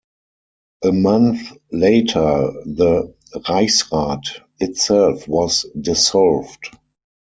A month later, the "Reichsrat" itself was dissolved.